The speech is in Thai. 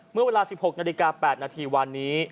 เมื่อเวลา๑๖นาฬิกา๘นาทีวันนี้